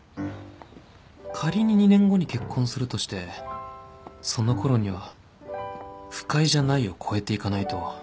仮に２年後に結婚するとしてその頃には「不快じゃない」を超えていかないと